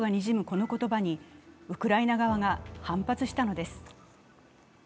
この言葉にウクライナ側が反発したのです。